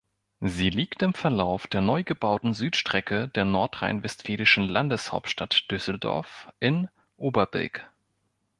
Sie liegt im Verlauf der neugebauten Südstrecke der nordrhein-westfälischen Landeshauptstadt Düsseldorf in Oberbilk.